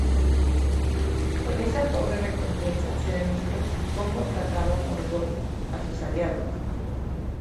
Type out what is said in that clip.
Con esa pobre recompensa se demostró como trataba Morgoth a sus aliados.